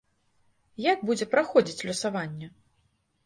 Як будзе праходзіць лёсаванне?